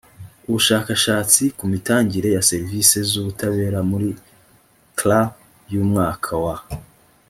ubushakashatsi ku mitangire ya serivisi z ubutabera muri crc y umwaka wa